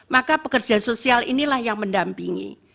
maka pekerja sosial inilah yang mendampingi